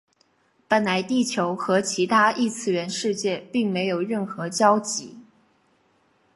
本来地球和其他异次元世界并没有任何交集。